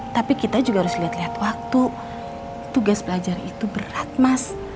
tapi kita juga harus lihat lihat waktu tugas belajar itu berat mas